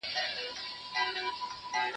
ما پرون د سبا لپاره د ژبي تمرين وکړ